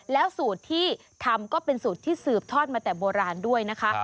แล้วสูตรที่ทำก็เป็นสูตรที่สืบทอดมาแต่โบราณด้วยนะคะ